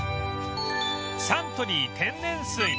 サントリー天然水